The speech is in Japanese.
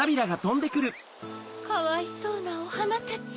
かわいそうなおはなたち。